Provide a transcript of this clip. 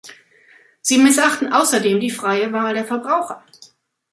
Sie missachten außerdem die freie Wahl der Verbraucher.